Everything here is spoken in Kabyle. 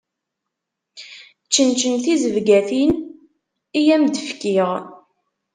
Čenčen tizebgatin i am-d-fkiɣ.